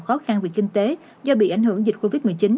khó khăn về kinh tế do bị ảnh hưởng dịch covid một mươi chín